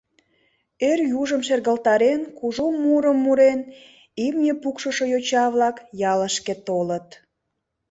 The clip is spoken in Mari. Эр южым шергылтарен, кужу мурым мурен, имне пукшышо йоча-влак ялышке толыт.